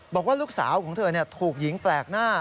บอกว่าลูกสาวของเธอถูกหญิงแปลกหน้า